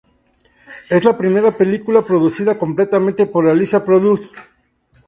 Es la primera película producida completamente por "Alicia Produce".